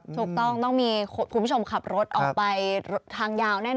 ถูกต้องต้องมีคุณผู้ชมขับรถออกไปทางยาวแน่น